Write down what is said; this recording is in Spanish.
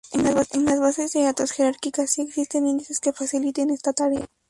En las bases de datos jerárquicas si existen índices que faciliten esta tarea.